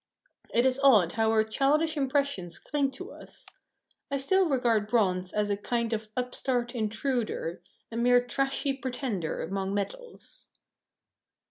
It is odd how our childish impressions cling to us. I still regard bronze as a kind of upstart intruder, a mere trashy pretender among metals.